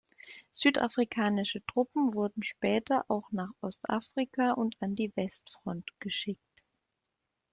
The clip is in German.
Südafrikanische Truppen wurden später auch nach Ostafrika und an die Westfront geschickt.